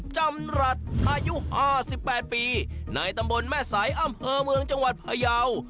จำรัฐอายุ๕๘ปีในตำบลแม่สายอำเภอเมืองจังหวัดพยาว